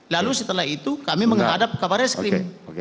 lalu setelah itu kami menghadap kabarnya skrim